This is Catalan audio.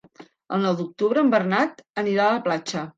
El nou d'octubre en Bernat anirà a la platja.